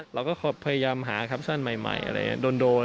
เราก็พยายามหาคัปชั่นใหม่อะไรอย่างนี้โดน